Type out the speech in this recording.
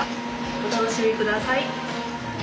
お楽しみ下さい。